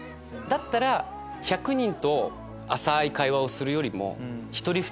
だったら１００人と浅い会話をするよりも１人２人。